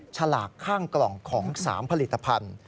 ฉลากข้างกล่องของ๓ผลิตภัณฑ์